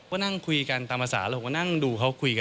ก็นั่งคุยกันตามภาษาแล้วผมก็นั่งดูเขาคุยกัน